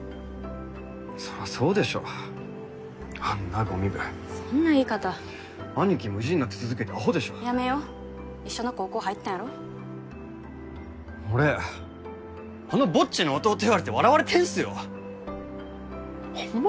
そらそうでしょあんなゴミ部そんな言い方兄貴も意地になって続けてアホでしょやめよ一緒の高校入ったんやろ俺あのぼっちの弟言われて笑われてんすよホンマ